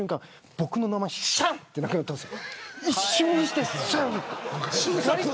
僕の名前がしゃんってなくなったんです。